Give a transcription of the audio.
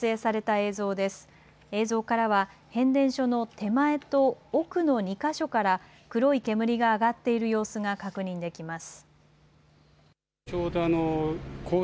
映像からは変電所の手前と奥の２か所から黒い煙が上がっている様子が確認できます。